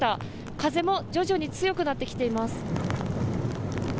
風も徐々に強くなってきています。